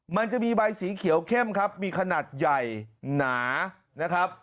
มันจะมีใบสีเขียวเข้มครับมีขนาดใหญ่หนานะครับ